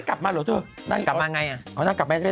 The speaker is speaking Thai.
กลับมาเหรอเถอะกลับมาไงอ๋อน่ะกลับมาไม่ได้